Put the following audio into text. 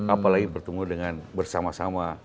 apalagi bertemu dengan bersama sama